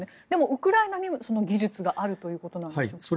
でも、ウクライナにもその技術があるということなんですか？